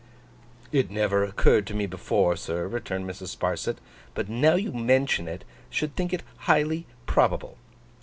'It never occurred to me before, sir,' returned Mrs. Sparsit; 'but now you mention it, should think it highly probable.